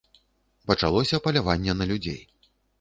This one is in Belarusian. Пачалося паляванне на людзей.